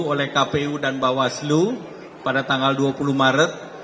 oleh kpu dan bawaslu pada tanggal dua puluh maret